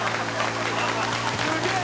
「すげえ！